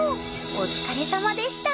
お疲れさまでした！